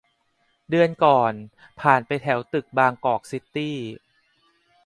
เดือนก่อน ผ่านไปแถวตึกบางกอกซิตี้